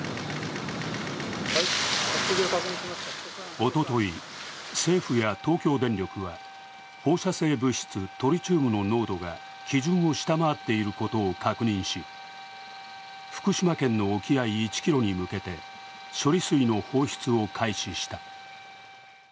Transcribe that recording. おととい、政府や東京電力は放射性物質トリチウムの濃度が基準を下回っていることを確認し、福島県の沖合１ｋｍに向けて処理水の放出を開始した。